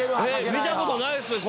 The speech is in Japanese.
見たことないですね